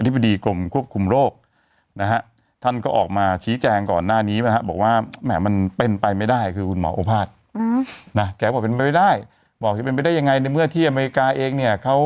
บอกว่าเป็นไปได้ยังไงในเมื่อที่อเมริกาเองเนี่ย